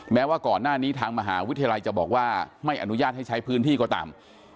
แม้ว่าก่อนหน้านี้ทางมหาวิทยาลัยจะบอกว่าไม่อนุญาตให้ใช้พื้นที่ก็ตาม